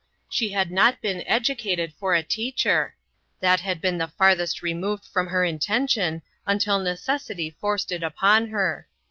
She had not been educated for a teacher ; that had been the farthest removed from her intention until necessity forced it upon her.